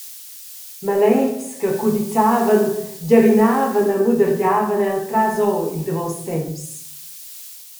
Maletgs che cudizzavan, giavinavan e mudergiavan el trasora il davos temps.